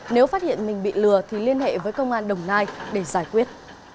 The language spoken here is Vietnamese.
nếu phát hiện mình bị lừa thì liên hệ với công an đồng nai để giải quyết